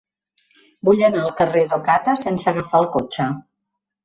Vull anar al carrer d'Ocata sense agafar el cotxe.